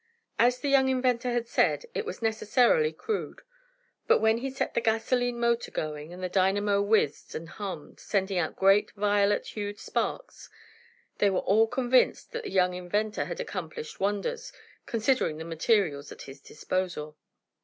As the young inventor had said, it was necessarily crude, but when he set the gasolene motor going, and the dynamo whizzed and hummed, sending out great, violet hued sparks, they were all convinced that the young inventor had accomplished wonders, considering the materials at his disposal.